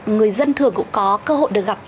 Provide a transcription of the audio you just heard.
người dân thường cũng có cơ hội được gặp